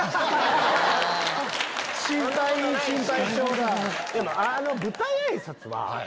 心配に心配性が。